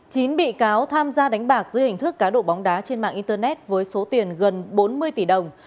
chín bị cáo tham gia đánh bạc dưới hình thức cá độ bóng đá trên mạng internet với số tiền gần bốn mươi tỷ đồng